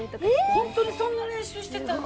本当にそんな練習してたんだ。